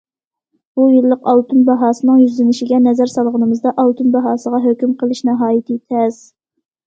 بۇ يىللىق ئالتۇن باھاسىنىڭ يۈزلىنىشىگە نەزەر سالغىنىمىزدا، ئالتۇن باھاسىغا ھۆكۈم قىلىش ناھايىتى تەس.